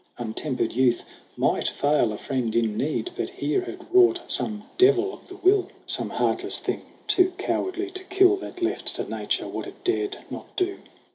Untempered youth might fail a friend in need ; But here had wrought some devil of the will, 34 SONG OF HUGH GLASS Some heartless thing, too cowardly to kill, That left to Nature what it dared not do